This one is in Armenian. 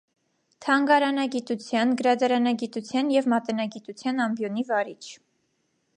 Թանգարանագիտության, գրադարանագիտության և մատենագիտության ամբիոնի վարիչ։